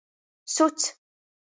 Suts.